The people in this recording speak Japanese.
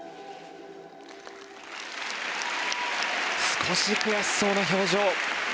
少し悔しそうな表情。